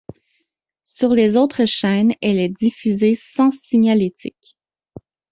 Sur les autres chaînes, elle est diffusée sans signalétique.